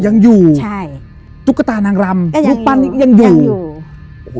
ยังอยู่ใช่จุ๊กตานางรำก็ยังอยู่ลูกปั้นนี้ยังอยู่ยังอยู่